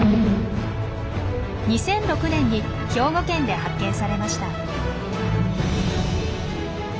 ２００６年に兵庫県で発見されました。